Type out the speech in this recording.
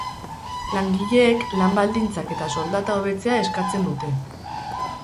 Langileek lan-baldintzak eta soldata hobetzea eskatzen dute.